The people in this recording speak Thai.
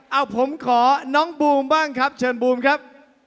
เอาผมขอน้องบูมบ้างครับเชิญบูมครับ